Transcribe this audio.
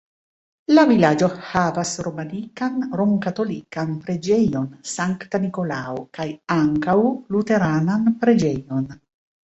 La vilaĝo havas romanikan romkatolikan preĝejon Sankta Nikolao kaj ankaŭ luteranan preĝejon.